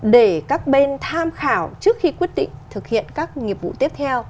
để các bên tham khảo trước khi quyết định thực hiện các nghiệp vụ tiếp theo